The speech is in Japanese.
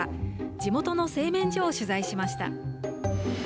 地元の製麺所を取材しました。